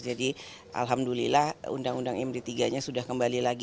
jadi alhamdulillah undang undang imri tiga nya sudah kembali lagi